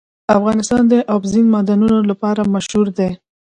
افغانستان د اوبزین معدنونه لپاره مشهور دی.